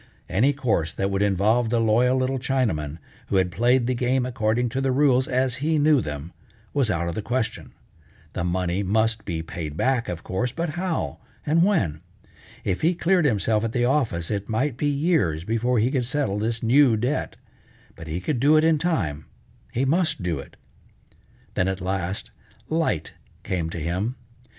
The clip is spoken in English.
Any course that would involve the loyal little Chinaman, who had played the game according to the rules as he knew them, was out of the question. The money must be paid back, of course, but how, and when? If he cleared himself at the office it might be years before he could settle this new debt, but he could do it in time, he must do it. Then at last, light came to him.